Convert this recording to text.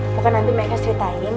pokoknya nanti mereka ceritain